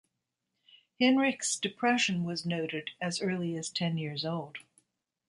Hinrichs' depression was noted as early as ten years old.